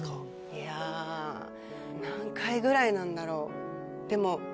いや何回ぐらいなんだろう？